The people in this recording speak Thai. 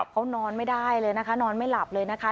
เขานอนไม่ได้เลยนะคะนอนไม่หลับเลยนะคะ